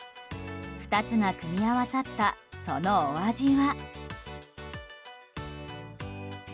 ２つが組み合わさったそのお味は。